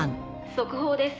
「速報です」